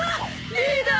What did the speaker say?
リーダー！